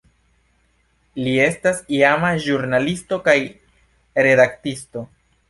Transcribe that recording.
Li estas iama ĵurnalisto kaj redaktisto.